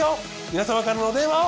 皆様からのお電話を。